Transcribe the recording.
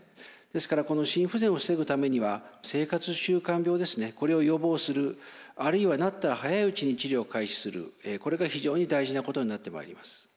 ですからこの心不全を防ぐためには生活習慣病これを予防するあるいはなったら早いうちに治療を開始するこれが非常に大事なことになってまいります。